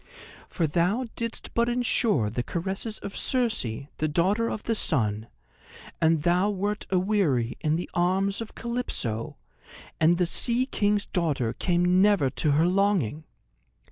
For thou didst but endure the caresses of Circe, the Daughter of the Sun, and thou wert aweary in the arms of Calypso, and the Sea King's daughter came never to her longing.